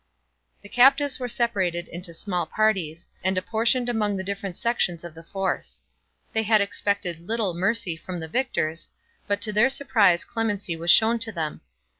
The captives were separated into small parties, and apportioned among the different sections of the force. They had expected little mercy from the victors, but to their surprise clemency was shown to them.